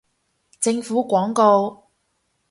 政府廣告